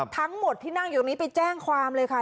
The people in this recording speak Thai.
ทั้งหมดที่นั่งอยู่ตรงนี้ไปแจ้งความเลยค่ะ